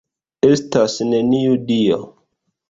Estas neniu Dio!